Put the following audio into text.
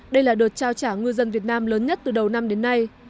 đây là đợt trao trả ngư dân việt nam lớn nhất từ đầu năm đến nay